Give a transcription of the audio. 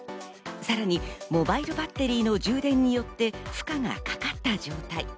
さらにモバイルバッテリーの充電によって負荷がかかった状態。